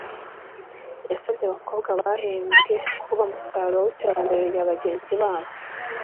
yasabye abakobwa bahembwe kuba umusemburo w’iterambere rya bagenzi babo